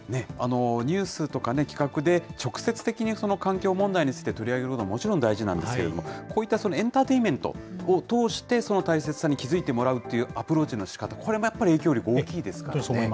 ニュースとか企画で直接的に環境問題について取り上げるのはもちろん大事なんですけれども、こういったエンターテインメントを通して、その大切さに気付いてもらうというアプローチのしかた、これもやっぱり影響力大きいですからね。